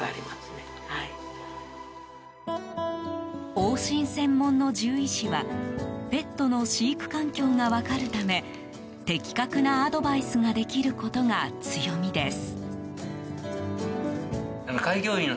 往診専門の獣医師はペットの飼育環境が分かるため的確なアドバイスができることが強みです。